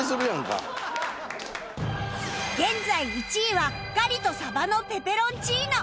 現在１位はガリとさばのペペロンチーノ